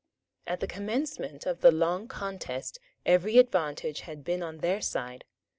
At the commencement of the long contest every advantage had been on their side.